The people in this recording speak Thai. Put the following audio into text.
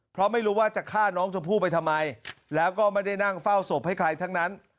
เพราะไม่รู้ว่าจะฆ่าน้องชมพู่ไปทำไมแล้วก็ไม่ได้นั่งเฝ้าศพให้ใครทั้งนั้น